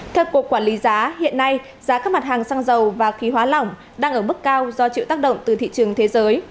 theo cục quản lý giá hiện nay giá các mặt hàng xăng dầu và khí hóa lỏng đang ở mức cao do chịu tác động từ thị trường thế giới